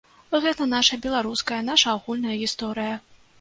Гэта наша беларуская, наша агульная гісторыя.